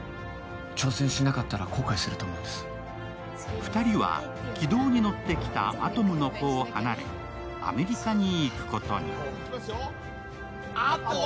２人は軌道に乗ってきたアトムの童を離れアメリカに行くことに。